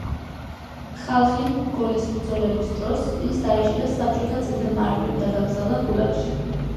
ხალხინ-გოლის ბრძოლების დროს, ის დაიჭირა საბჭოთა წითელმა არმიამ და გაგზავნა გულაგში.